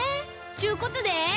ちゅうことで。